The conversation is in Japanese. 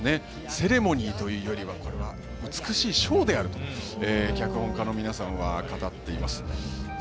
セレモニーというよりはこれは美しいショーであると脚本家の皆さんは語っています。